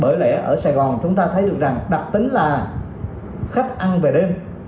bởi lẽ ở sài gòn chúng ta thấy được rằng đặc tính là khách ăn về đêm